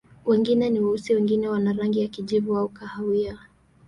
Wengine ni weusi, wengine wana rangi ya kijivu au kahawia.